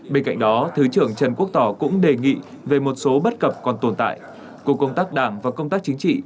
bên cạnh đó thứ trưởng trần quốc tỏ cũng đề nghị về một số bất cập còn tồn tại của công tác đảng và công tác chính trị